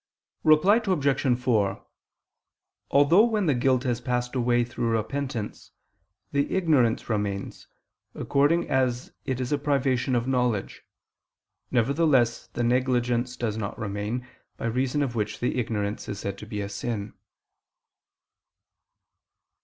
Reply Obj. 4: Although when the guilt has passed away through repentance, the ignorance remains, according as it is a privation of knowledge, nevertheless the negligence does not remain, by reason of which the ignorance is said to be a sin.